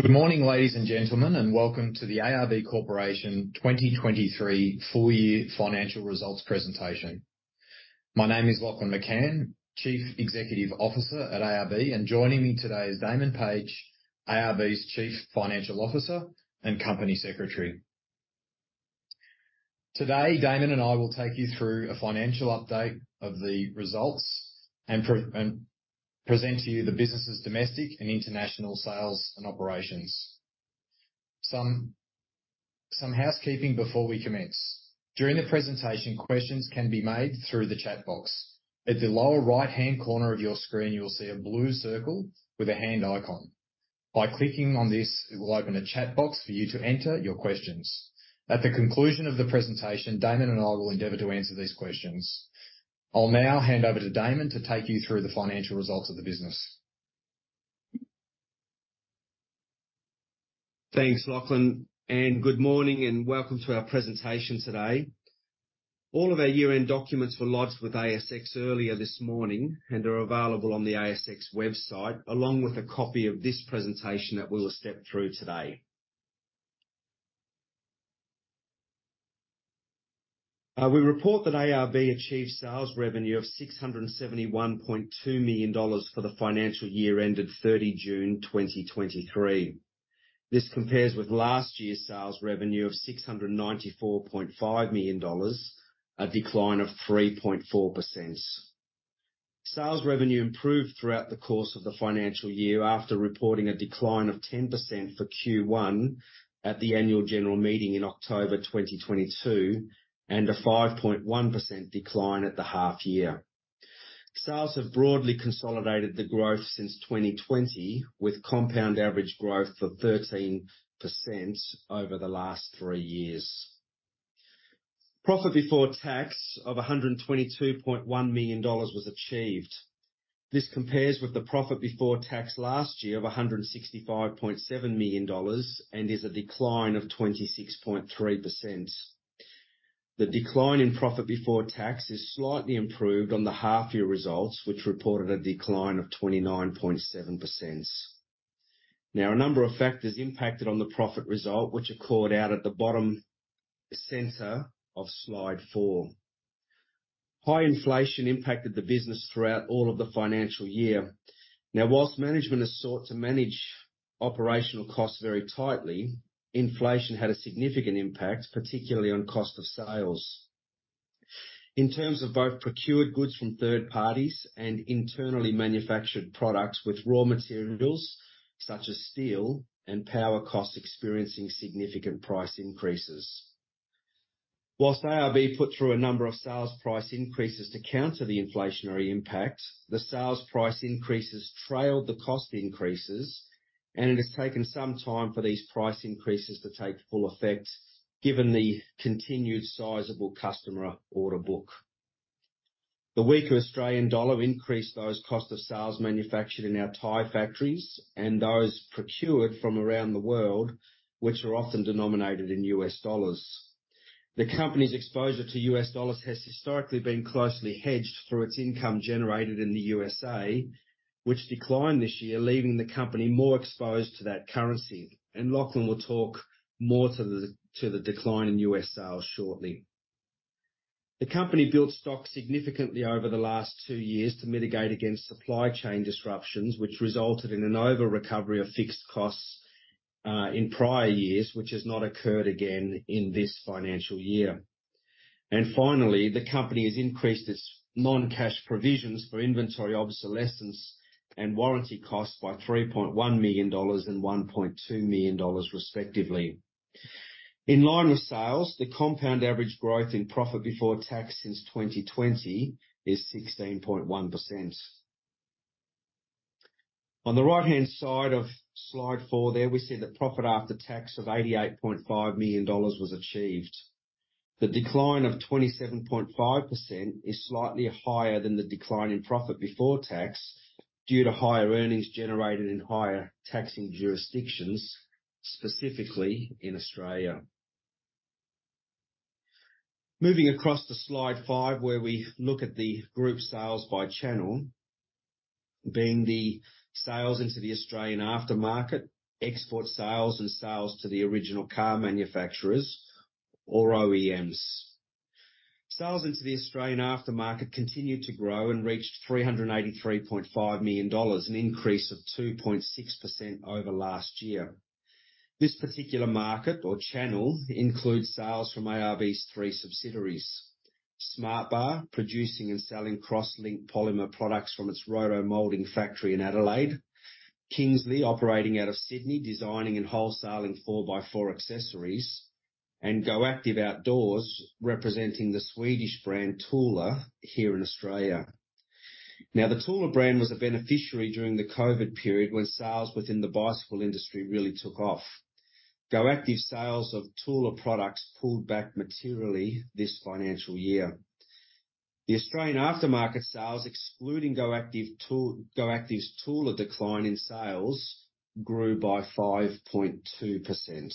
Good morning, ladies and gentlemen, welcome to the ARB Corporation 2023 full year financial results presentation. My name is Lachlan McCann, Chief Executive Officer at ARB, joining me today is Damon Page, ARB's Chief Financial Officer and Company Secretary. Today, Damon and I will take you through a financial update of the results, present to you the business' domestic and international sales and operations. Some housekeeping before we commence. During the presentation, questions can be made through the chat box. At the lower right-hand corner of your screen, you will see a blue circle with a hand icon. By clicking on this, it will open a chat box for you to enter your questions. At the conclusion of the presentation, Damon and I will endeavor to answer these questions. I'll now hand over to Damon to take you through the financial results of the business. Thanks, Lachlan, and good morning, and welcome to our presentation today. All of our year-end documents were lodged with ASX earlier this morning and are available on the ASX website, along with a copy of this presentation that we will step through today. We report that ARB achieved sales revenue of 671.2 million dollars for the financial year ended June 30, 2023. This compares with last year's sales revenue of 694.5 million dollars, a decline of 3.4%. Sales revenue improved throughout the course of the financial year, after reporting a decline of 10% for Q1 at the annual general meeting in October 2022, and a 5.1% decline at the half year. Sales have broadly consolidated the growth since 2020, with compound average growth of 13% over the last three years. Profit before tax of 122.1 million dollars was achieved. This compares with the profit before tax last year of 165.7 million dollars and is a decline of 26.3%. The decline in profit before tax is slightly improved on the half-year results, which reported a decline of 29.7%. A number of factors impacted on the profit result, which are called out at the bottom center of slide 4. High inflation impacted the business throughout all of the financial year. Whilst management has sought to manage operational costs very tightly, inflation had a significant impact, particularly on cost of sales. In terms of both procured goods from third parties and internally manufactured products with raw materials, such as steel and power costs, experiencing significant price increases. Whilst ARB put through a number of sales price increases to counter the inflationary impacts, the sales price increases trailed the cost increases, and it has taken some time for these price increases to take full effect, given the continued sizable customer order book. The weaker Australian dollar increased those cost of sales manufactured in our Thai factories and those procured from around the world, which are often denominated in US dollars. The company's exposure to US dollars has historically been closely hedged through its income generated in the USA, which declined this year, leaving the company more exposed to that currency. Lachlan will talk more to the decline in US sales shortly. The company built stock significantly over the last 2 years to mitigate against supply chain disruptions, which resulted in an over-recovery of fixed costs in prior years, which has not occurred again in this financial year. Finally, the company has increased its non-cash provisions for inventory obsolescence and warranty costs by 3.1 million dollars and 1.2 million dollars, respectively. In line with sales, the compound average growth in profit before tax since 2020 is 16.1%. On the right-hand side of slide 4 there, we see that profit after tax of 88.5 million dollars was achieved. The decline of 27.5% is slightly higher than the decline in profit before tax, due to higher earnings generated in higher taxing jurisdictions, specifically in Australia. Moving across to slide 5, where we look at the group sales by channel, being the sales into the Australian aftermarket, export sales, and sales to the original car manufacturers or OEMs. Sales into the Australian aftermarket continued to grow and reached 383.5 million dollars, an increase of 2.6% over last year. This particular market or channel includes sales from ARB's three subsidiaries: SmartBar, producing and selling cross-linked polymer products from its roto-molding factory in Adelaide; Kingsley, operating out of Sydney, designing and wholesaling 4x4 accessories; and Go Active Outdoors, representing the Swedish brand Thule here in Australia. Now, the Thule brand was a beneficiary during the COVID period, when sales within the bicycle industry really took off. Go Active sales of Thule products pulled back materially this financial year. The Australian aftermarket sales, excluding Go Active's Thule decline in sales, grew by 5.2%.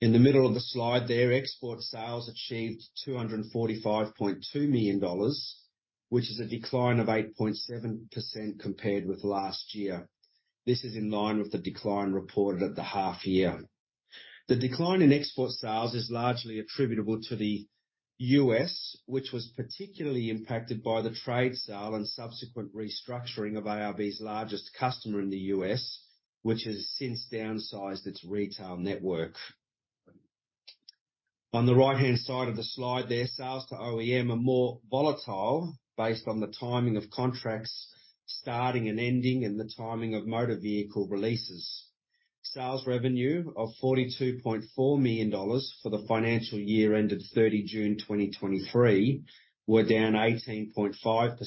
In the middle of the slide there, export sales achieved 245.2 million dollars, which is a decline of 8.7% compared with last year. This is in line with the decline reported at the half year. The decline in export sales is largely attributable to the US, which was particularly impacted by the trade sale and subsequent restructuring of ARB's largest customer in the US, which has since downsized its retail network. On the right-hand side of the slide there, sales to OEM are more volatile based on the timing of contracts starting and ending and the timing of motor vehicle releases. Sales revenue of 42.4 million dollars for the financial year ended June 30, 2023, were down 18.5%.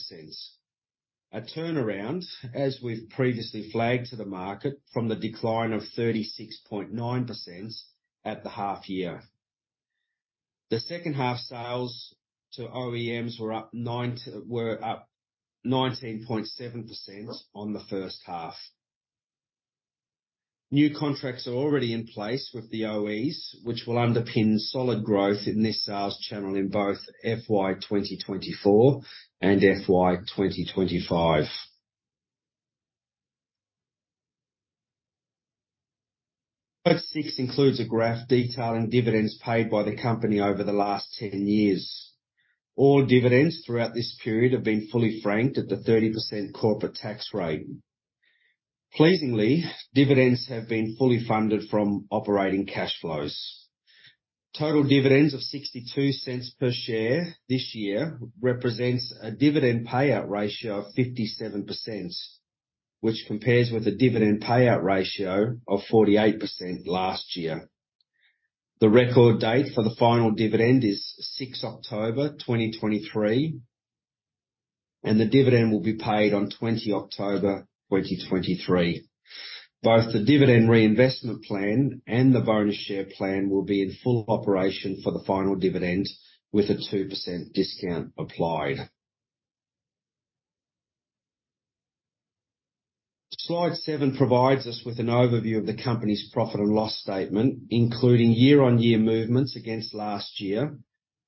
A turnaround, as we've previously flagged to the market from the decline of 36.9% at the half year. The second half sales to OEMs were up 19.7% on the first half. New contracts are already in place with the OEs, which will underpin solid growth in this sales channel in both FY 2024 and FY 2025. Note 6 includes a graph detailing dividends paid by the company over the last 10 years. All dividends throughout this period have been fully franked at the 30% corporate tax rate. Pleasingly, dividends have been fully funded from operating cash flows. Total dividends of 0.62 per share this year represents a dividend payout ratio of 57%, which compares with a dividend payout ratio of 48% last year. The record date for the final dividend is 6th October 2023, and the dividend will be paid on 20th October 2023. Both the dividend reinvestment plan and the bonus share plan will be in full operation for the final dividend with a 2% discount applied. Slide seven provides us with an overview of the company's profit and loss statement, including year-on-year movements against last year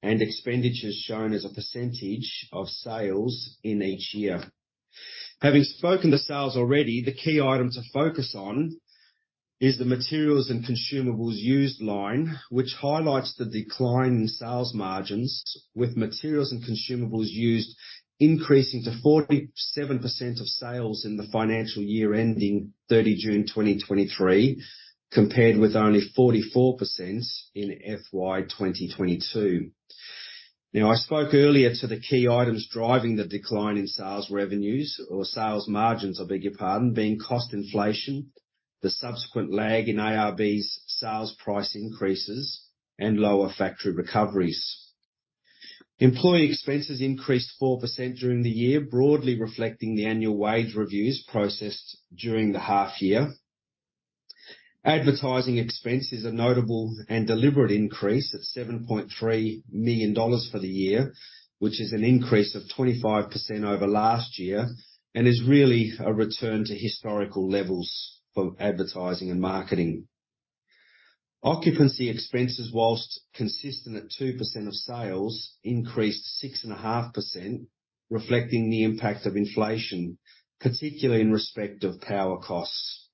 and expenditures shown as a percentage of sales in each year. Having spoken to sales already, the key item to focus on is the materials and consumables used line, which highlights the decline in sales margins, with materials and consumables used increasing to 47% of sales in the financial year, ending June 30, 2023, compared with only 44% in FY 2022. I spoke earlier to the key items driving the decline in sales revenues or sales margins, I beg your pardon, being cost inflation, the subsequent lag in ARB's sales price increases, and lower factory recoveries. Employee expenses increased 4% during the year, broadly reflecting the annual wage reviews processed during the half year. Advertising expense is a notable and deliberate increase at 7.3 million dollars for the year, which is an increase of 25% over last year and is really a return to historical levels for advertising and marketing. Occupancy expenses, whilst consistent at 2% of sales, increased 6.5%, reflecting the impact of inflation, particularly in respect of power costs.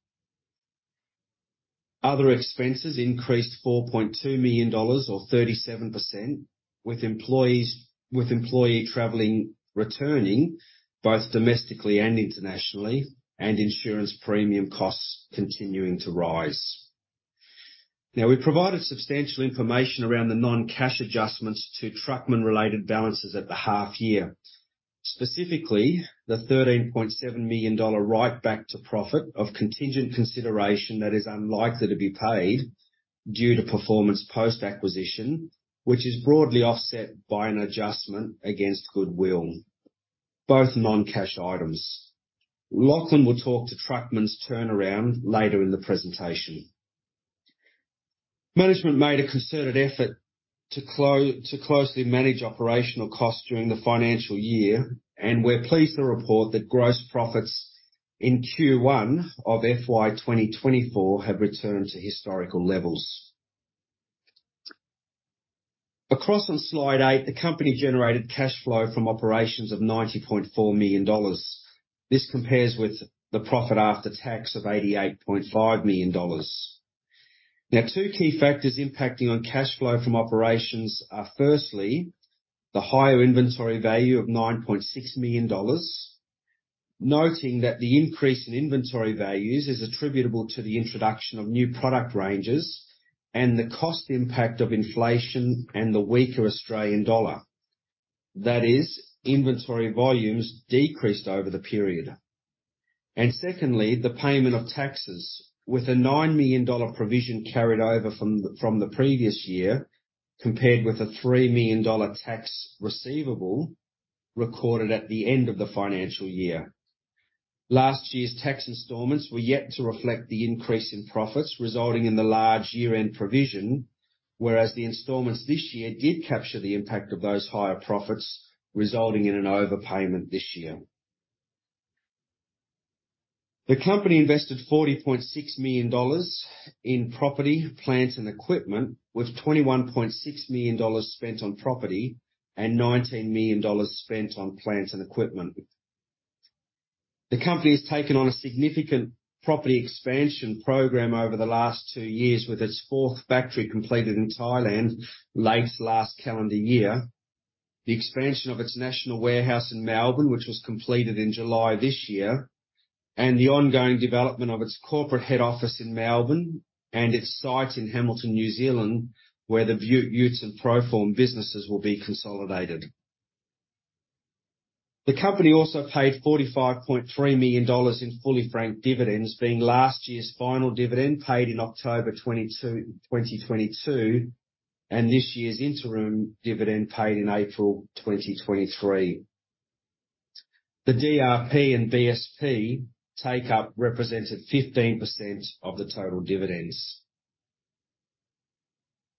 Other expenses increased 4.2 million dollars or 37%, with employee traveling returning both domestically and internationally, and insurance premium costs continuing to rise. Now, we provided substantial information around the non-cash adjustments to Truckman-related balances at the half year, specifically the AUD 13.7 million right-back to profit of contingent consideration that is unlikely to be paid due to performance post-acquisition, which is broadly offset by an adjustment against goodwill, both non-cash items. Lachlan will talk to Truckman's turnaround later in the presentation. Management made a concerted effort to closely manage operational costs during the financial year, and we're pleased to report that gross profits in Q1 of FY 2024 have returned to historical levels. Across on slide eight, the company generated cash flow from operations of 90.4 million dollars. This compares with the profit after tax of 88.5 million dollars. Now, two key factors impacting on cash flow from operations are firstly, the higher inventory value of 9.6 million dollars, noting that the increase in inventory values is attributable to the introduction of new product ranges and the cost impact of inflation and the weaker Australian dollar. That is, inventory volumes decreased over the period. Secondly, the payment of taxes with a 9 million dollar provision carried over from the previous year, compared with a 3 million dollar tax receivable recorded at the end of the financial year. Last year's tax installments were yet to reflect the increase in profits, resulting in the large year-end provision, whereas the installments this year did capture the impact of those higher profits, resulting in an overpayment this year. The company invested 40.6 million dollars in property, plant, and equipment, with 21.6 million dollars spent on property and 19 million dollars spent on plant and equipment. The company has taken on a significant property expansion program over the last two years, with its fourth factory completed in Thailand late last calendar year. The expansion of its national warehouse in Melbourne, which was completed in July this year, and the ongoing development of its corporate head office in Melbourne and its site in Hamilton, New Zealand, where the Beaut Utes and Pro-Form businesses will be consolidated. The company also paid 45.3 million dollars in fully franked dividends, being last year's final dividend, paid in October 22, 2022, and this year's interim dividend paid in April 2023. The DRP and BSP take up represented 15% of the total dividends.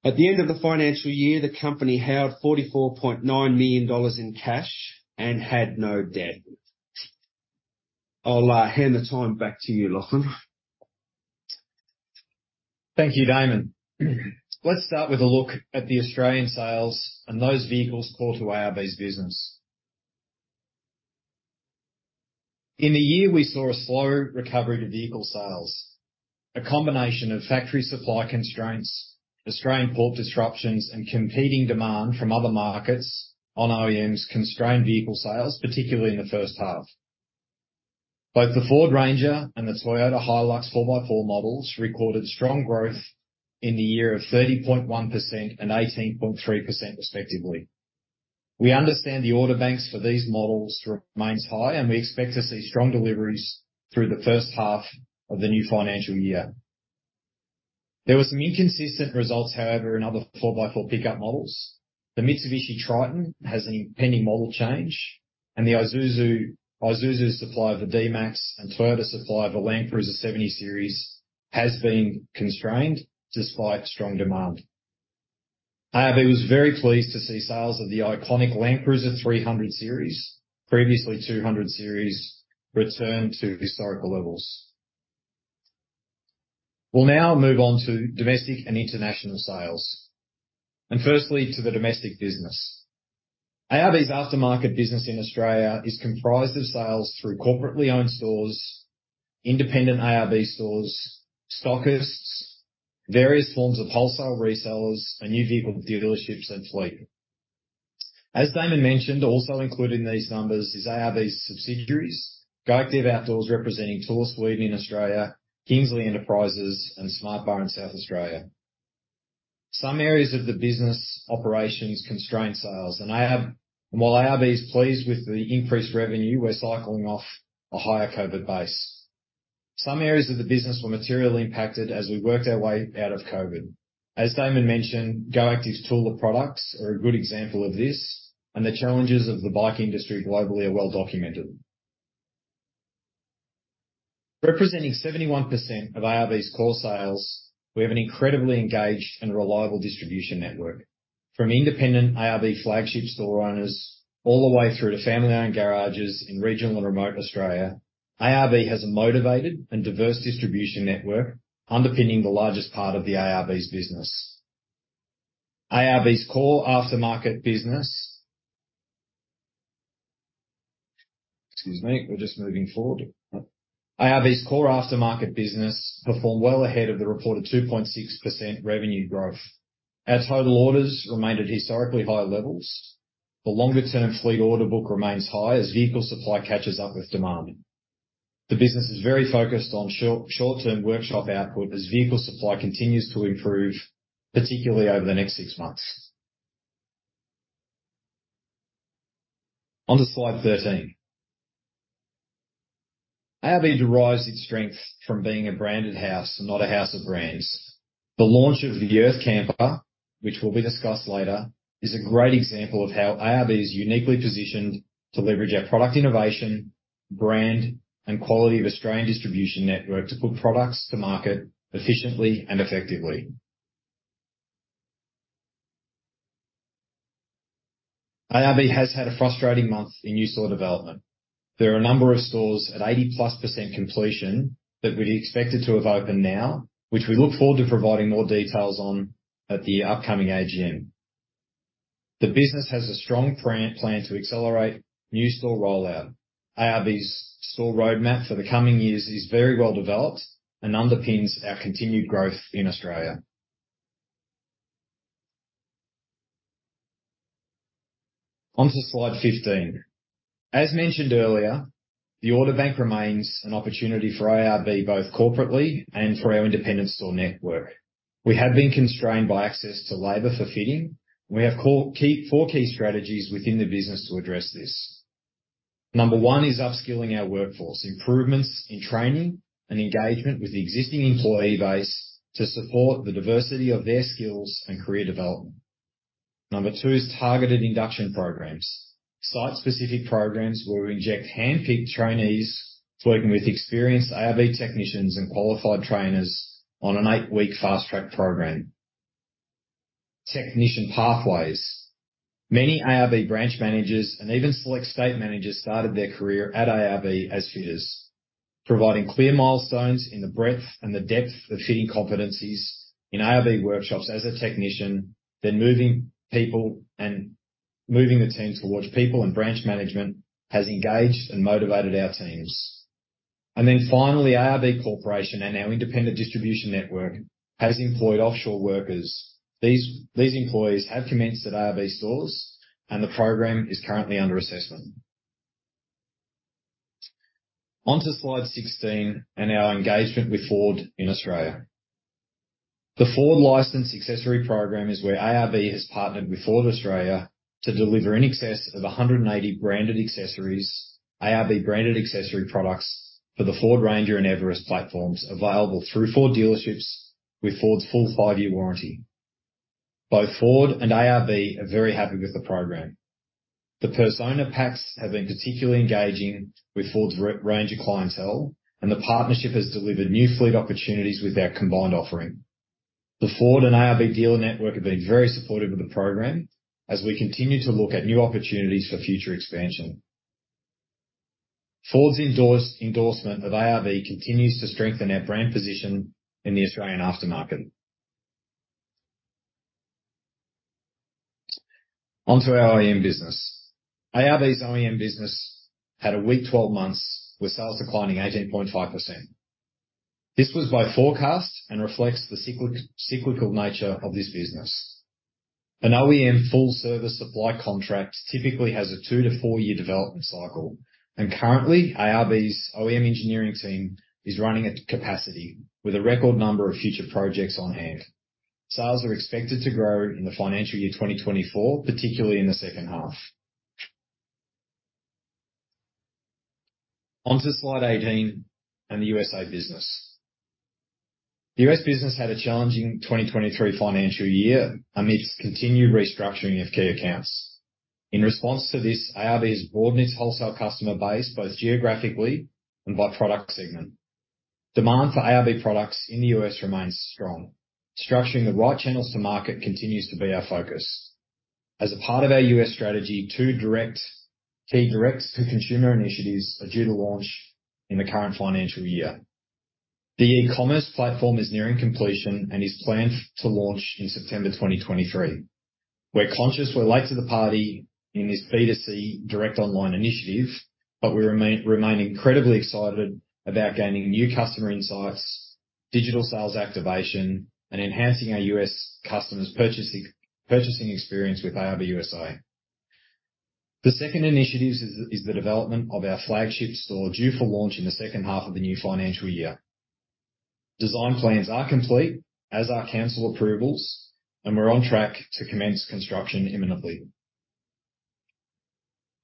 At the end of the financial year, the company held 44.9 million dollars in cash and had no debt. I'll hand the time back to you, Lachlan. Thank you, Damon. Let's start with a look at the Australian sales and those vehicles core to ARB's business. In the year, we saw a slow recovery to vehicle sales. A combination of factory supply constraints, Australian port disruptions, and competing demand from other markets on OEMs constrained vehicle sales, particularly in the first half. Both the Ford Ranger and the Toyota Hilux 4x4 models recorded strong growth in the year of 30.1% and 18.3% respectively. We understand the order banks for these models remains high, and we expect to see strong deliveries through the first half of the new financial year. There were some inconsistent results, however, in other 4x4 pickup models. The Mitsubishi Triton has an impending model change, and the Isuzu, Isuzu's supply of the D-Max and Toyota supply of the Land Cruiser 70 Series has been constrained despite strong demand. ARB was very pleased to see sales of the iconic Land Cruiser 300 Series, previously 200 Series, return to historical levels. We'll now move on to domestic and international sales, and firstly, to the domestic business. ARB's aftermarket business in Australia is comprised of sales through corporately owned stores, independent ARB stores, stockists, various forms of wholesale resellers, and new vehicle dealerships and fleet. As Damon mentioned, also included in these numbers is ARB's subsidiaries, Go Active Outdoors, representing Thule Group in Australia, Kingsley Enterprises, and SmartBar in South Australia. Some areas of the business operations constrained sales. While ARB is pleased with the increased revenue, we're cycling off a higher COVID base. Some areas of the business were materially impacted as we worked our way out of COVID. As Damon mentioned, Go Active's Thule products are a good example of this, and the challenges of the bike industry globally are well documented. Representing 71% of ARB's core sales, we have an incredibly engaged and reliable distribution network. From independent ARB flagship store owners all the way through to family-owned garages in regional and remote Australia, ARB has a motivated and diverse distribution network underpinning the largest part of the ARB's business. ARB's core aftermarket business... Excuse me, we're just moving forward. ARB's core aftermarket business performed well ahead of the reported 2.6% revenue growth. Our total orders remained at historically high levels. The longer-term fleet order book remains high as vehicle supply catches up with demand. The business is very focused on short, short-term workshop output as vehicle supply continues to improve, particularly over the next six months. On to slide 13. ARB derives its strength from being a branded house and not a house of brands. The launch of the ARB Earth Camper, which will be discussed later, is a great example of how ARB is uniquely positioned to leverage our product innovation, brand, and quality of Australian distribution network to put products to market efficiently and effectively. ARB has had a frustrating month in new store development. There are a number of stores at 80+% completion that we'd expected to have opened now, which we look forward to providing more details on at the upcoming AGM. The business has a strong plan to accelerate new store rollout. ARB's store roadmap for the coming years is very well developed and underpins our continued growth in Australia. On to slide 15. As mentioned earlier, the order bank remains an opportunity for ARB, both corporately and for our independent store network. We have been constrained by access to labor for fitting. We have four key strategies within the business to address this. Number one is upskilling our workforce. Improvements in training and engagement with the existing employee base to support the diversity of their skills and career development. Number two is targeted induction programs. Site-specific programs where we inject handpicked trainees working with experienced ARB technicians and qualified trainers on an eight-week fast-track program. technician pathways. Many ARB branch managers and even select state managers started their career at ARB as fitters, providing clear milestones in the breadth and the depth of fitting competencies in ARB workshops as a technician, then moving people and moving the team towards people and branch management has engaged and motivated our teams. Then finally, ARB Corporation and our independent distribution network has employed offshore workers. These employees have commenced at ARB stores. The program is currently under assessment. On to slide 16, our engagement with Ford in Australia. The Ford Licensed Accessories program is where ARB has partnered with Ford Australia to deliver in excess of 180 branded accessories, ARB branded accessory products for the Ford Ranger and Everest platforms, available through Ford dealerships with Ford's full 5-year warranty. Both Ford and ARB are very happy with the program. The personalization packs have been particularly engaging with Ford's Ranger clientele, and the partnership has delivered new fleet opportunities with our combined offering. The Ford and ARB dealer network have been very supportive of the program as we continue to look at new opportunities for future expansion. Ford's endorsement of ARB continues to strengthen our brand position in the Australian aftermarket. On to our OEM business. ARB's OEM business had a weak 12 months, with sales declining 18.5%. This was by forecast and reflects the cyclical nature of this business. An OEM full-service supply contract typically has a two to four-year development cycle, and currently, ARB's OEM engineering team is running at capacity with a record number of future projects on hand. Sales are expected to grow in the financial year 2024, particularly in the second half. Slide 18 and the USA business. The US business had a challenging 2023 financial year amidst continued restructuring of key accounts. In response to this, ARB broadened its wholesale customer base, both geographically and by product segment. Demand for ARB products in the US remains strong. Structuring the right channels to market continues to be our focus. As a part of our US strategy, 2 key direct-to-consumer initiatives are due to launch in the current financial year. The e-commerce platform is nearing completion and is planned to launch in September 2023. We're conscious we're late to the party in this B2C direct online initiative, we remain incredibly excited about gaining new customer insights, digital sales activation, and enhancing our US customers' purchasing experience with ARB USA. The second initiative is the development of our flagship store, due for launch in the second half of the new financial year. Design plans are complete, as are council approvals. We're on track to commence construction imminently.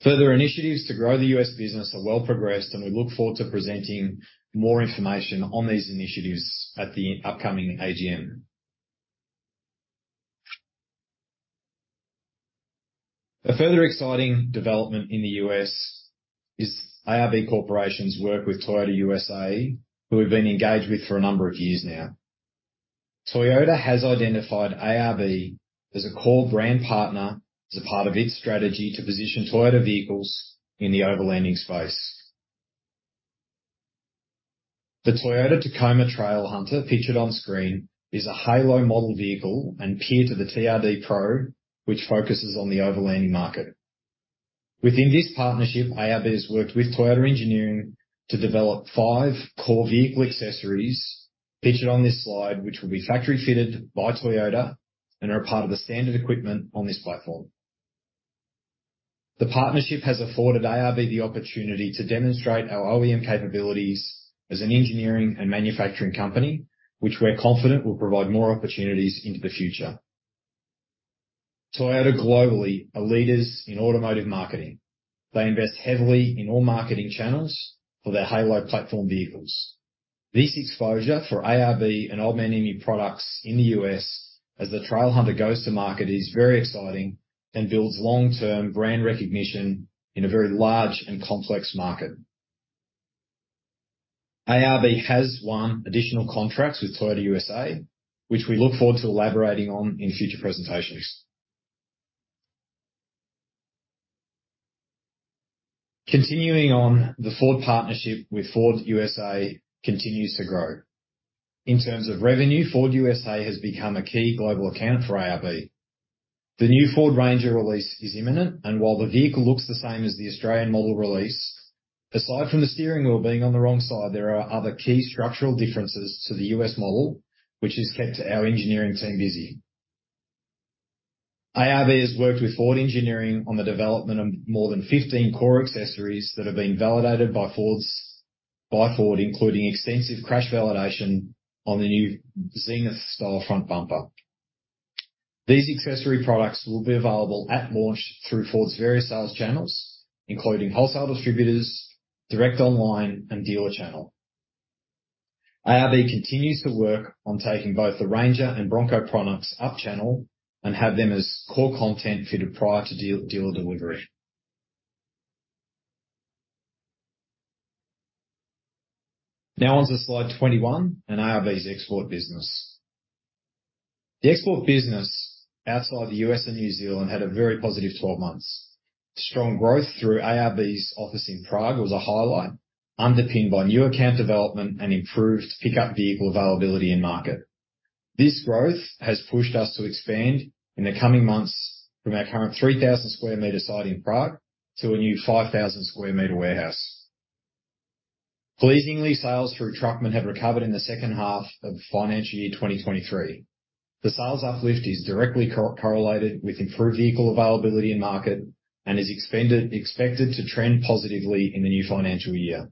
Further initiatives to grow the U.S. business are well progressed. We look forward to presenting more information on these initiatives at the upcoming AGM. A further exciting development in the U.S. is ARB Corporation's work with Toyota USA, who we've been engaged with for a number of years now. Toyota has identified ARB as a core brand partner, as a part of its strategy to position Toyota vehicles in the overlanding space. The Toyota Tacoma Trailhunter, featured on screen, is a halo model vehicle and peer to the TRD Pro, which focuses on the overlanding market. Within this partnership, ARB has worked with Toyota Engineering to develop five core vehicle accessories featured on this slide, which will be factory fitted by Toyota and are a part of the standard equipment on this platform. The partnership has afforded ARB the opportunity to demonstrate our OEM capabilities as an engineering and manufacturing company, which we're confident will provide more opportunities into the future. Toyota globally are leaders in automotive marketing. They invest heavily in all marketing channels for their halo platform vehicles. This exposure for ARB and Old Man Emu products in the U.S., as the Trailhunter goes to market, is very exciting and builds long-term brand recognition in a very large and complex market. ARB has won additional contracts with Toyota USA, which we look forward to elaborating on in future presentations. The Ford partnership with Ford USA continues to grow. In terms of revenue, Ford USA has become a key global account for ARB. The new Ford Ranger release is imminent, and while the vehicle looks the same as the Australian model release, aside from the steering wheel being on the wrong side, there are other key structural differences to the US model, which has kept our engineering team busy. ARB has worked with Ford Engineering on the development of more than 15 core accessories that have been validated by Ford, including extensive crash validation on the new Summit style front bumper. These accessory products will be available at launch through Ford's various sales channels, including wholesale distributors, direct, online, and dealer channel. ARB continues to work on taking both the Ranger and Bronco products up-channel and have them as core content fitted prior to dealer delivery. On to slide 21, and ARB's export business. The export business outside the US and New Zealand had a very positive 12 months. Strong growth through ARB's office in Prague was a highlight, underpinned by new account development and improved pickup vehicle availability in market. This growth has pushed us to expand in the coming months from our current 3,000 square meter site in Prague to a new 5,000 square meter warehouse. Pleasingly, sales through Truckman have recovered in the second half of FY 2023. The sales uplift is directly correlated with improved vehicle availability in market and is expected to trend positively in the new financial year.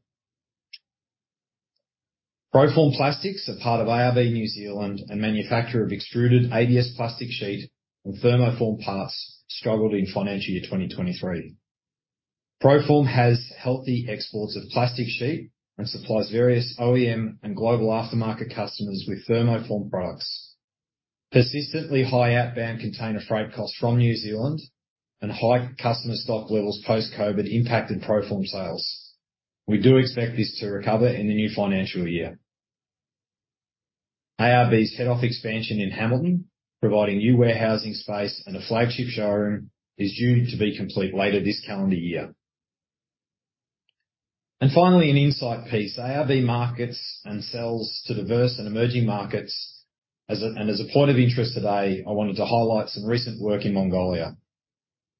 Pro-Form Plastics are part of ARB New Zealand, a manufacturer of extruded ABS plastic sheet and thermoformed parts, struggled in FY 2023. Pro-Form has healthy exports of plastic sheet and supplies various OEM and global aftermarket customers with thermoformed products. Persistently high outbound container freight costs from New Zealand and high customer stock levels post-COVID impacted Pro-Form sales. We do expect this to recover in the new financial year. ARB's head office expansion in Hamilton, providing new warehousing space and a flagship showroom, is due to be complete later this calendar year. Finally, an insight piece. ARB markets and sells to diverse and emerging markets. As a point of interest today, I wanted to highlight some recent work in Mongolia.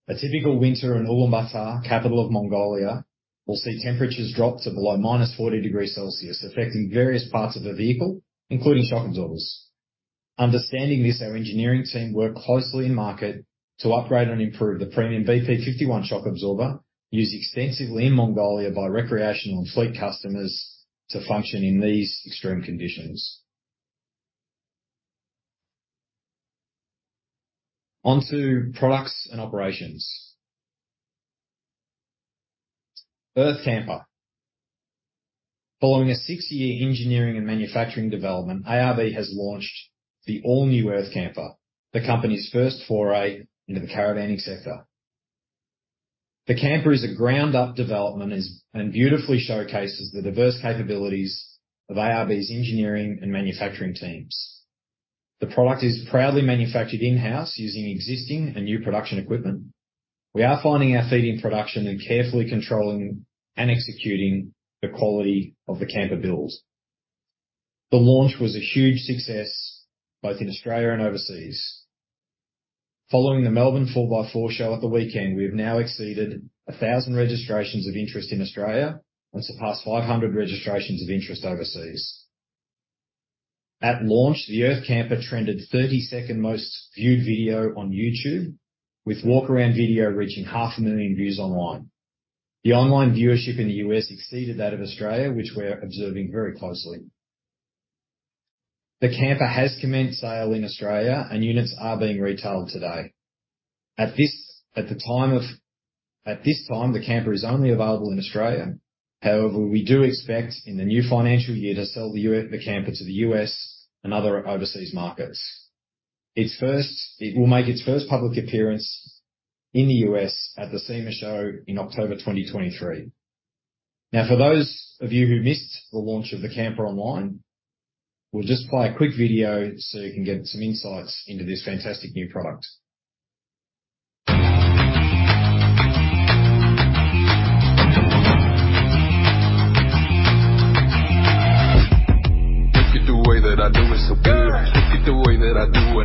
A typical winter in Ulaanbaatar, capital of Mongolia, will see temperatures drop to below minus 40 degrees Celsius, affecting various parts of the vehicle, including shock absorbers. Understanding this, our engineering team worked closely in-market to upgrade and improve the premium BP-51 shock absorber, used extensively in Mongolia by recreational and fleet customers to function in these extreme conditions. On to products and operations. Earth Camper. Following a six-year engineering and manufacturing development, ARB has launched the all-new Earth Camper, the company's first foray into the caravaning sector. The camper is a ground-up development and beautifully showcases the diverse capabilities of ARB's engineering and manufacturing teams. The product is proudly manufactured in-house using existing and new production equipment. We are finding our feet in production and carefully controlling and executing the quality of the camper builds. The launch was a huge success both in Australia and overseas. Following the Melbourne 4x4 show at the weekend, we have now exceeded 1,000 registrations of interest in Australia and surpassed 500 registrations of interest overseas. At launch, the Earth Camper trended 32nd most viewed video on YouTube, with walk-around video reaching half a million views online. The online viewership in the US exceeded that of Australia, which we're observing very closely. The camper has commenced sale in Australia. Units are being retailed today. At this time, the camper is only available in Australia. We do expect in the new financial year to sell the camper to the US and other overseas markets. It will make its first public appearance in the US at the SEMA Show in October 2023. For those of you who missed the launch of the camper online, we'll just play a quick video so you can get some insights into this fantastic new product.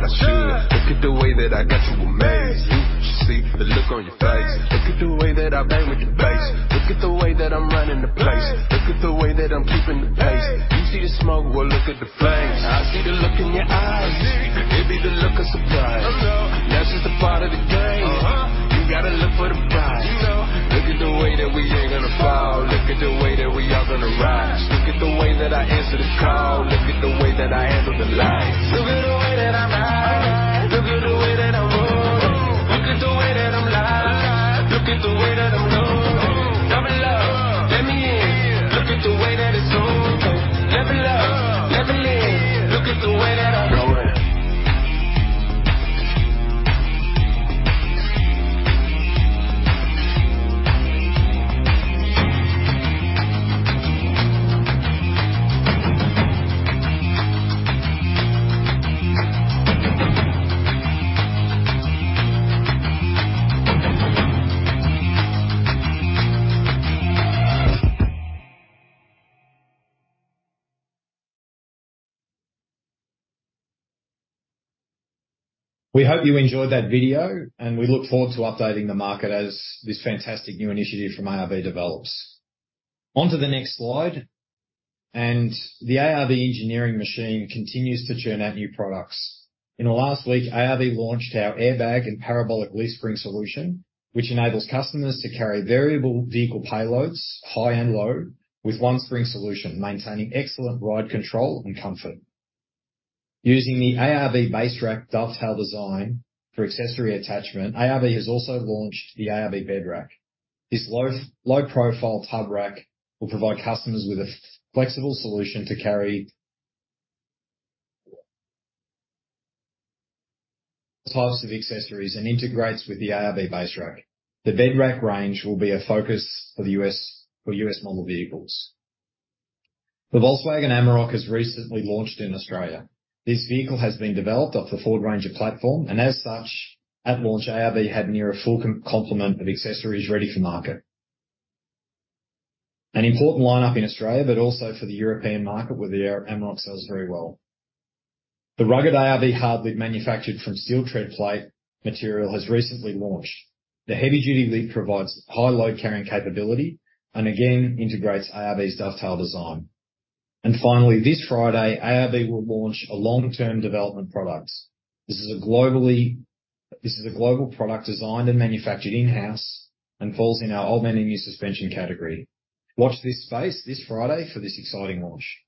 Look at the way that I do it so good. Look at the way that I do what I should. Look at the way that I got you amazed. Look, did you see the look on your face? Look at the way that I bang with the bass. Look at the way that I'm running the place. Look at the way that I'm keeping the pace. You see the smoke? Well, look at the flames. I see the look in your eyes. It be the look of surprise. I know. That's just a part of the game. Uh-huh. You gotta look for them guys. You know. Look at the way that we ain't gonna fall. Look at the way that we are gonna rise. Look at the way that I answer the call. Look at the way that I handle the light. Look at the way that I ride. Alright. Look at the way that I roll. I roll. Look at the way that I'm live. I'm live. Look at the way that I'm going. I'm going. Double up, let me in. Look at the way that it's okay. Double up, double it. Look at the way that I roll it. We hope you enjoyed that video, and we look forward to updating the market as this fantastic new initiative from ARB develops. On to the next slide, and the ARB engineering machine continues to churn out new products. In the last week, ARB launched our airbag and parabolic leaf spring solution, which enables customers to carry variable vehicle payloads, high and low, with one spring solution, maintaining excellent ride control and comfort. Using the ARB BASE Rack dovetail design for accessory attachment, ARB has also launched the ARB Bed Rack. This low, low-profile tub rack will provide customers with a flexible solution to carry types of accessories and integrates with the ARB BASE Rack. The Bed Rack range will be a focus for US model vehicles. The Volkswagen Amarok has recently launched in Australia. This vehicle has been developed off the Ford Ranger platform, as such, at launch, ARB had near a full complement of accessories ready for market. An important lineup in Australia, but also for the European market, where the Amarok sells very well. The rugged ARB HardLid, manufactured from steel tread plate material, has recently launched. The heavy-duty lid provides high load carrying capability and again integrates ARB's dovetail design. Finally, this Friday, ARB will launch a long-term development product. This is a global product designed and manufactured in-house and falls in our Old Man Emu suspension category. Watch this space this Friday for this exciting launch.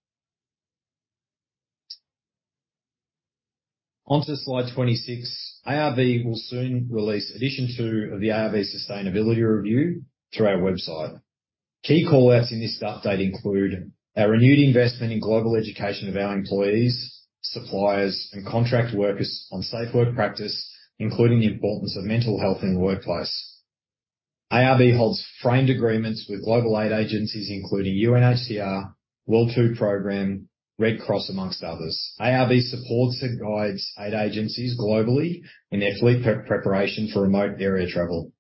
On to slide 26. ARB will soon release edition two of the ARB Sustainability Review through our website. Key call-outs in this update include our renewed investment in global education of our employees, suppliers, and contract workers on safe work practice, including the importance of mental health in the workplace. ARB holds framed agreements with global aid agencies, including UNHCR, World Food Programme, Red Cross, amongst others. ARB supports and guides aid agencies globally in their fleet pre-preparation for remote area travel.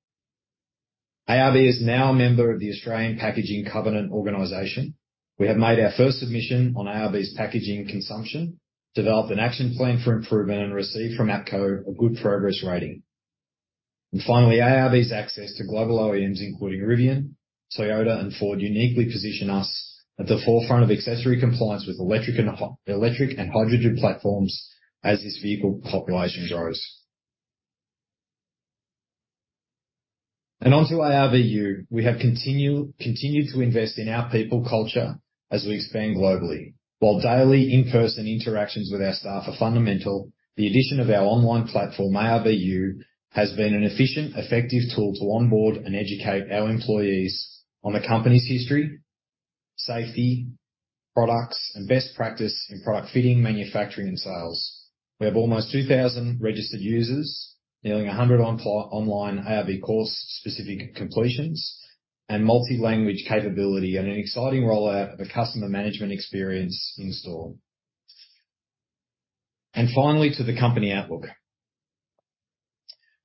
ARB is now a member of the Australian Packaging Covenant Organisation. We have made our first submission on ARB's packaging consumption, developed an action plan for improvement, and received from APCO a good progress rating. Finally, ARB's access to global OEMs, including Rivian, Toyota, and Ford, uniquely position us at the forefront of accessory compliance with electric and hydrogen platforms as this vehicle population grows. Onto ARBU. We have continued to invest in our people culture as we expand globally. While daily in-person interactions with our staff are fundamental, the addition of our online platform, ARBU, has been an efficient, effective tool to onboard and educate our employees on the company's history, safety, products, and best practice in product fitting, manufacturing, and sales. We have almost 2,000 registered users, nearly 100 online ARB course-specific completions and multi-language capability, and an exciting rollout of a customer management experience in store. Finally, to the company outlook.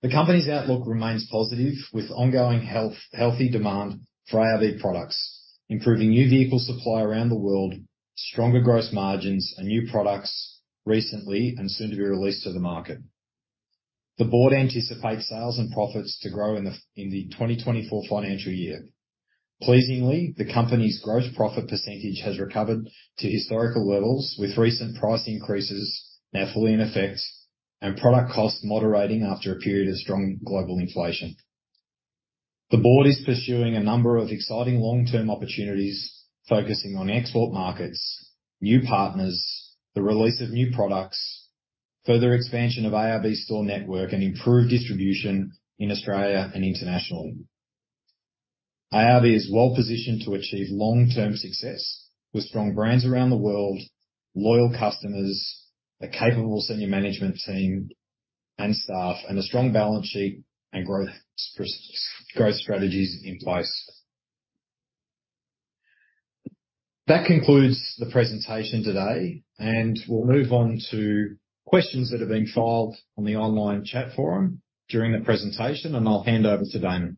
The company's outlook remains positive, with ongoing healthy demand for ARB products, improving new vehicle supply around the world, stronger gross margins, and new products recently and soon to be released to the market. The board anticipates sales and profits to grow in the 2024 financial year. Pleasingly, the company's gross profit % has recovered to historical levels, with recent price increases now fully in effect and product costs moderating after a period of strong global inflation. The board is pursuing a number of exciting long-term opportunities, focusing on export markets, new partners, the release of new products, further expansion of ARB store network, and improved distribution in Australia and internationally. ARB is well positioned to achieve long-term success with strong brands around the world, loyal customers, a capable senior management team and staff, and a strong balance sheet and growth strategies in place. That concludes the presentation today, and we'll move on to questions that have been filed on the online chat forum during the presentation, and I'll hand over to Damon.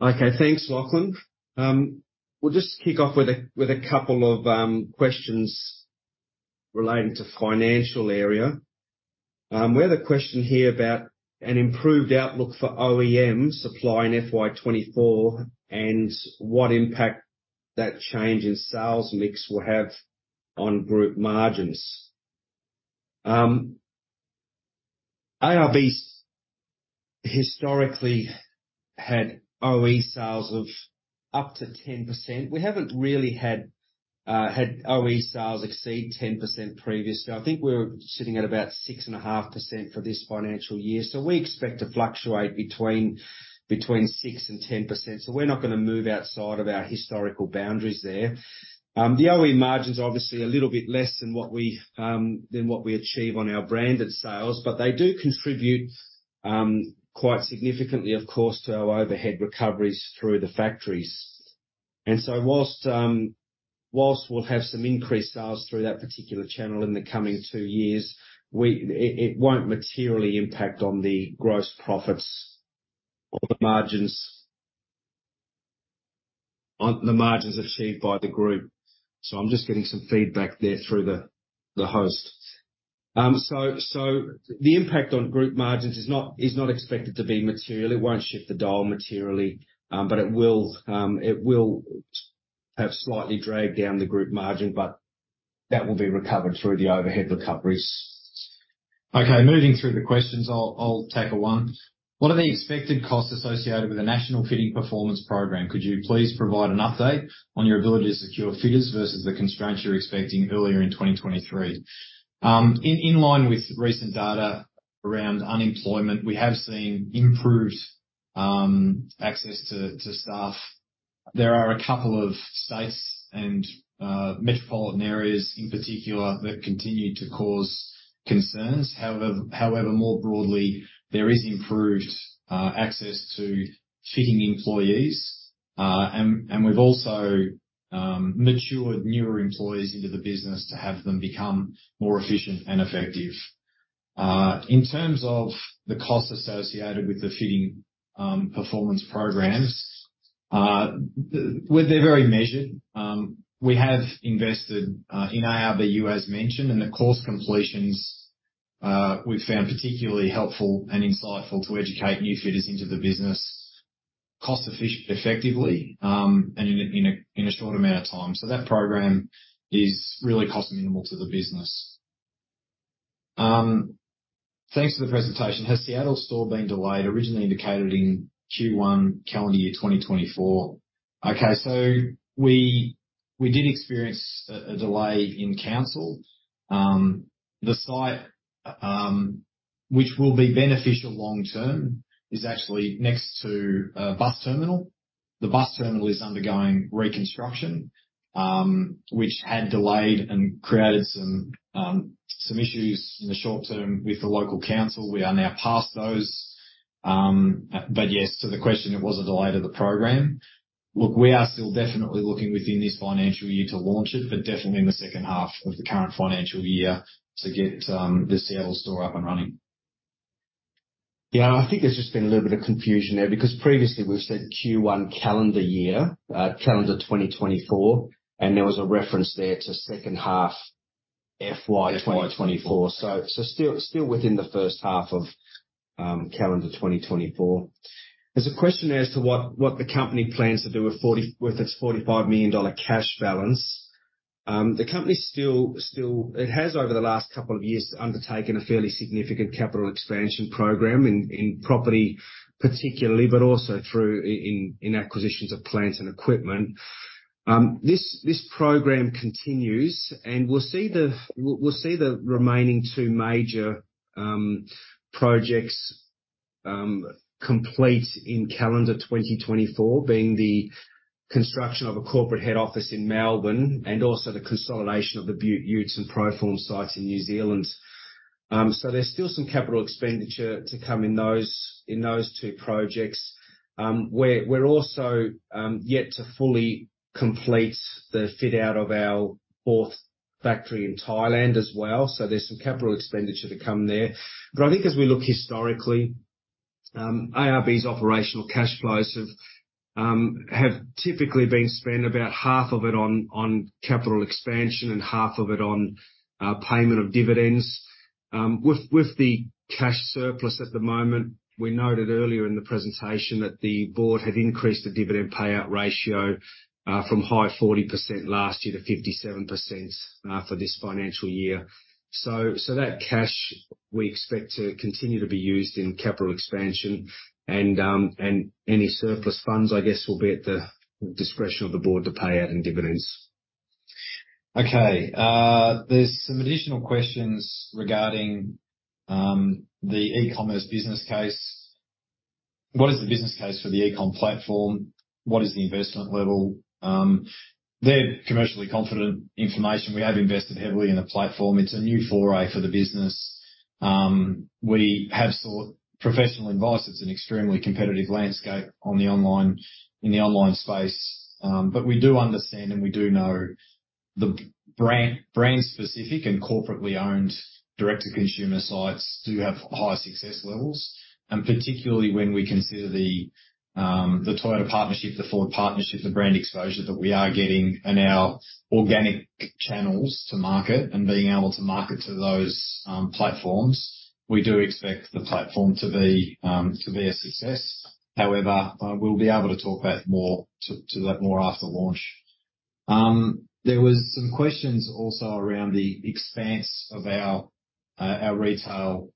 Okay, thanks, Lachlan. We'll just kick off with a couple of questions relating to financial area. We have a question here about an improved outlook for OEM supply in FY 2024 and what impact that change in sales mix will have on group margins. ARB's historically had OE sales of up to 10%. We haven't really had OE sales exceed 10% previously. I think we're sitting at about 6.5% for this financial year, we expect to fluctuate between 6% and 10%. We're not gonna move outside of our historical boundaries there. The OE margins are obviously a little bit less than what we than what we achieve on our branded sales, but they do contribute quite significantly, of course, to our overhead recoveries through the factories. Whilst, whilst we'll have some increased sales through that particular channel in the coming 2 years, it won't materially impact on the gross profits or the margins on the margins achieved by the group. I'm just getting some feedback there through the host. The impact on group margins is not expected to be material. It won't shift the dial materially, but it will perhaps slightly drag down the group margin, but that will be recovered through the overhead recoveries. Okay, moving through the questions, I'll tackle one. What are the expected costs associated with the National Fitting Performance Program? Could you please provide an update on your ability to secure fitters versus the constraints you were expecting earlier in 2023? In line with recent data around unemployment, we have seen improved access to staff. There are a couple of states and metropolitan areas in particular, that continue to cause concerns. However, more broadly, there is improved access to fitting employees. And we've also matured newer employees into the business to have them become more efficient and effective. In terms of the costs associated with the fitting performance programs, well, they're very measured. We have invested in ARBU, as mentioned, and the course completions we've found particularly helpful and insightful to educate new fitters into the business cost effectively and in a short amount of time. That program is really cost-minimal to the business. Thanks for the presentation. Has Seattle store been delayed, originally indicated in Q1, calendar year 2024? We did experience a delay in council. The site, which will be beneficial long term, is actually next to a bus terminal. The bus terminal is undergoing reconstruction, which had delayed and created some issues in the short term with the local council. We are now past those. Yes, to the question, it was a delay to the program. Look, we are still definitely looking within this financial year to launch it, but definitely in the second half of the current financial year to get the Seattle store up and running. Yeah, I think there's just been a little bit of confusion there, because previously we've said Q1 calendar year, calendar 2024, and there was a reference there to second half FY 2024. FY 2024. Still within the first half of calendar 2024. There's a question as to what the company plans to do with its 45 million dollar cash balance. The company has, over the last couple of years, undertaken a fairly significant capital expansion program in property particularly, but also through acquisitions of plant and equipment. This program continues. We'll see the remaining two major projects complete in calendar 2024, being the construction of a corporate head office in Melbourne and also the consolidation of the Beaut Utes and Pro-Form sites in New Zealand. There's still some capital expenditure to come in those two projects. We're, we're also yet to fully complete the fit-out of our fourth factory in Thailand as well, so there's some capital expenditure to come there. I think as we look historically, ARB's operational cash flows have typically been spent about half of it on capital expansion and half of it on payment of dividends. With, with the cash surplus at the moment, we noted earlier in the presentation that the board had increased the dividend payout ratio from high 40% last year to 57% for this financial year. That cash, we expect to continue to be used in capital expansion and any surplus funds, I guess, will be at the discretion of the board to pay out in dividends. Okay, there's some additional questions regarding the e-commerce business case. What is the business case for the e-com platform? What is the investment level? They're commercially confident information. We have invested heavily in the platform. It's a new foray for the business. We have sought professional advice. It's an extremely competitive landscape in the online space. We do understand, and we do know the brand specific and corporately owned direct-to-consumer sites do have high success levels. Particularly when we consider the Toyota partnership, the Ford partnership, the brand exposure that we are getting in our organic channels to market and being able to market to those platforms, we do expect the platform to be a success. However, we'll be able to talk about that more after launch. There was some questions also around the expanse of our retail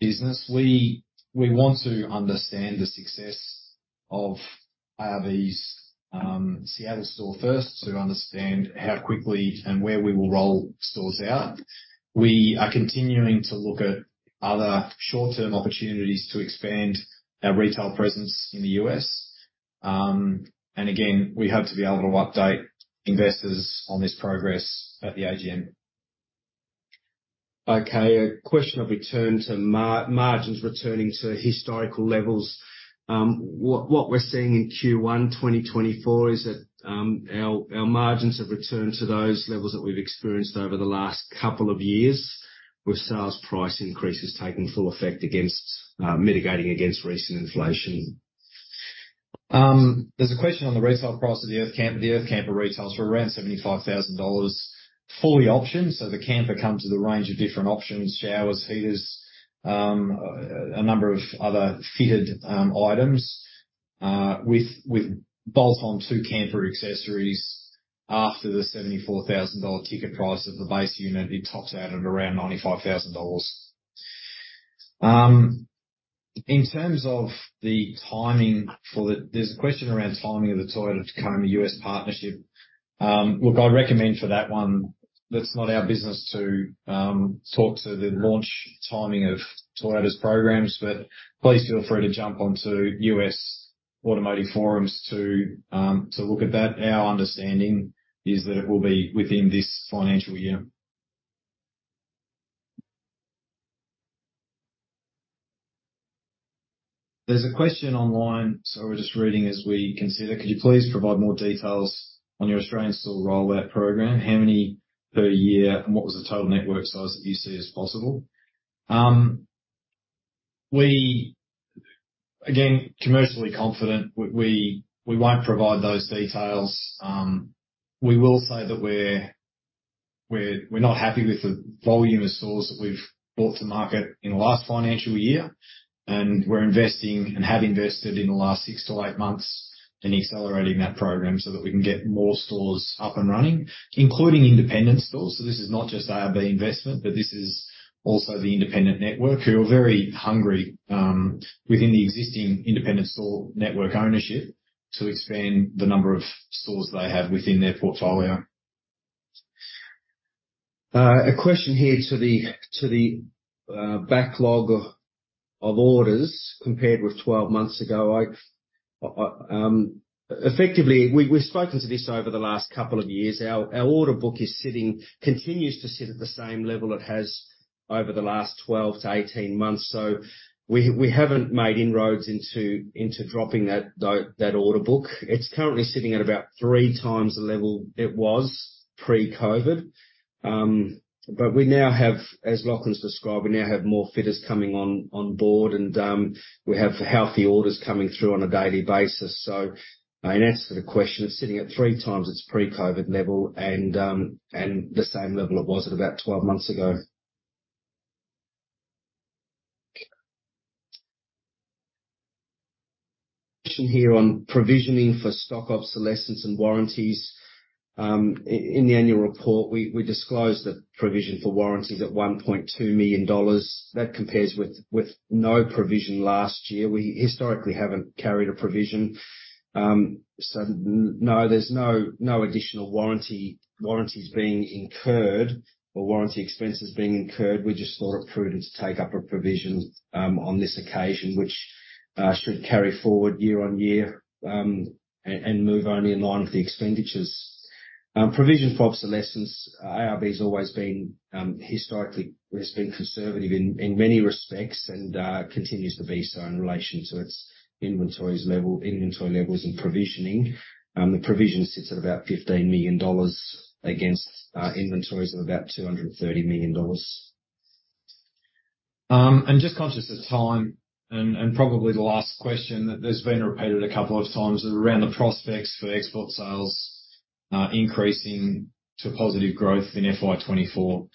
business. We, we want to understand the success of ARB's Seattle store first to understand how quickly and where we will roll stores out. We are continuing to look at other short-term opportunities to expand our retail presence in the U.S. Again, we hope to be able to update investors on this progress at the AGM. Okay. A question of return to margins, returning to historical levels. What we're seeing in Q1 2024 is that our margins have returned to those levels that we've experienced over the last couple of years, with sales price increases taking full effect against mitigating against recent inflation. There's a question on the retail price of the ARB Earth Camper. The ARB Earth Camper retails for around 75,000 dollars, fully optioned. The camper comes with a range of different options, showers, heaters, a number of other fitted items, with bolt-on two camper accessories. After the 74,000 dollar ticket price of the base unit, it tops out at around 95,000 dollars. There's a question around timing of the Toyota Tacoma US partnership. That's not our business to talk to the launch timing of Toyota's programs, but please feel free to jump onto US automotive forums to look at that. Our understanding is that it will be within this financial year. There's a question online. We're just reading as we consider. Could you please provide more details on your Australian store rollout program? How many per year, and what was the total network size that you see as possible? Again, commercially confident. We, we, we won't provide those details. We will say that we're, we're, we're not happy with the volume of stores that we've brought to market in the last financial year, and we're investing and have invested in the last 6 to 8 months in accelerating that program so that we can get more stores up and running, including independent stores. This is not just ARB investment, but this is also the independent network, who are very hungry, within the existing independent store network ownership, to expand the number of stores they have within their portfolio. A question here to the backlog of orders compared with 12 months ago. Effectively, we've spoken to this over the last couple of years. Our order book continues to sit at the same level it has over the last 12 to 18 months, so we haven't made inroads into dropping that order book. It's currently sitting at about three times the level it was pre-COVID. We now have, as Lachlan described, we now have more fitters coming on board, and we have healthy orders coming through on a daily basis. In answer to the question, it's sitting at three times its pre-COVID level and the same level it was about 12 months ago. Question here on provisioning for stock obsolescence and warranties. In the annual report, we, we disclosed the provision for warranties at 1.2 million dollars. That compares with, with no provision last year. We historically haven't carried a provision. No, there's no, no additional warranty, warranties being incurred or warranty expenses being incurred. We just thought it prudent to take up a provision on this occasion, which should carry forward year on year, and move only in line with the expenditures. Provision for obsolescence, ARB's always been historically conservative in many respects and continues to be so in relation to its inventories level, inventory levels and provisioning. The provision sits at about 15 million dollars against inventories of about 230 million dollars. I'm just conscious of time and probably the last question that has been repeated a couple of times around the prospects for export sales increasing to positive growth in FY 2024.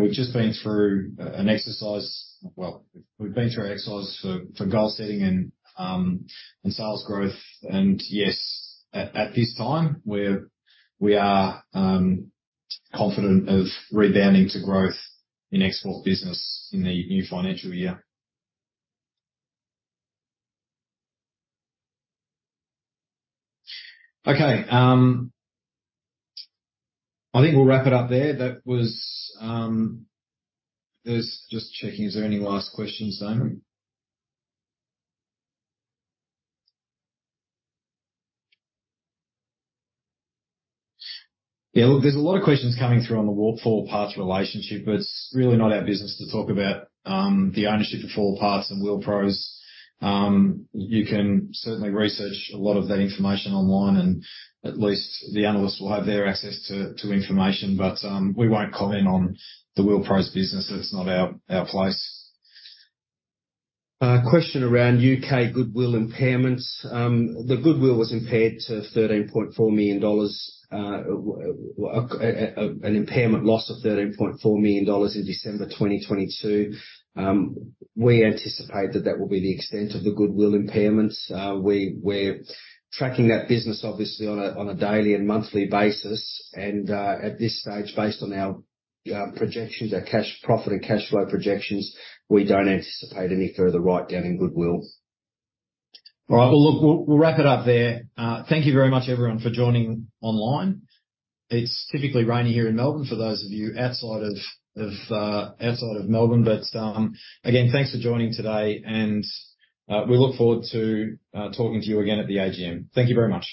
We've just been through an exercise. We've been through an exercise for goal setting and sales growth, and yes, at this time, we're confident of rebounding to growth in export business in the new financial year. Okay, I think we'll wrap it up there. That was. Just checking, is there any last questions, Simon? Look, there's a lot of questions coming through on the 4 Wheel Parts relationship, but it's really not our business to talk about the ownership of 4 Wheel Parts and Wheel Pros. You can certainly research a lot of that information online. At least the analysts will have their access to, to information. We won't comment on the Wheel Pros business. That's not our, our place. Question around UK goodwill impairments. The goodwill was impaired to 13.4 million dollars, an impairment loss of 13.4 million dollars in December 2022. We anticipate that that will be the extent of the goodwill impairments. We're tracking that business obviously on a daily and monthly basis, and at this stage, based on our projections, our cash, profit, and cash flow projections, we don't anticipate any further write-down in goodwill. All right. Well, look, we'll wrap it up there. Thank you very much, everyone, for joining online. It's typically rainy here in Melbourne, for those of you outside of, of, outside of Melbourne. Again, thanks for joining today, and we look forward to talking to you again at the AGM. Thank you very much.